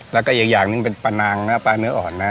แล้วก็อีกอย่างหนึ่งเป็นปลานางนะปลาเนื้ออ่อนนะ